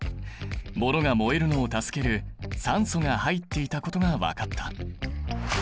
ものが燃えるのを助ける酸素が入っていたことが分かった。